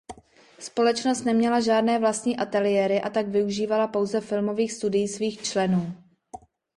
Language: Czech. Společnost neměla žádné vlastní ateliéry a tak využívala pouze filmových studií svých členů.